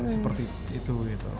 seperti itu gitu